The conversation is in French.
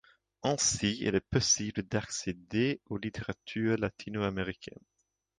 Ainsi, il est possible d’accéder aux littératures latino-américaines.